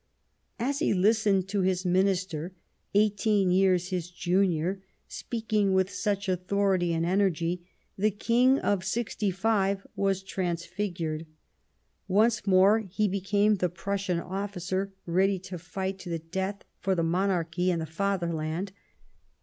As he listened to his Minister, eighteen years his junior, speaking with such authority and energy, the King of sixty five was transfigured ; once more he became the Prussian officer, ready to fight to the death for the Monarchy and the Fatherland.